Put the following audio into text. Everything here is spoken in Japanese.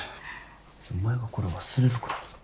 お前がこれ忘れるからだろ。